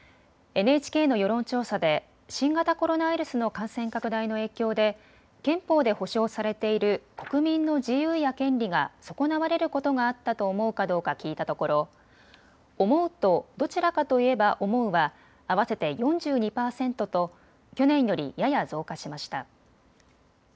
ＮＨＫの世論調査で新型コロナウイルスの感染拡大の影響で憲法で保障されている国民の自由や権利が損なわれることがあったと思うかどうか聞いたところ思うとどちらかといえば思うは合わせて４２％と去年よりやや増加しました。